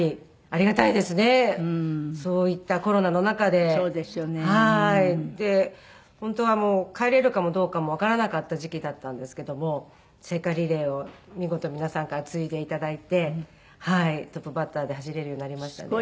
で本当はもう帰れるかどうかもわからなかった時期だったんですけども聖火リレーを見事皆さんから継いでいただいてトップバッターで走れるようになりましたね。